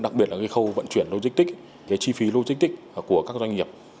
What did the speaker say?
đặc biệt là cái khâu vận chuyển logistic cái chi phí logistic của các doanh nghiệp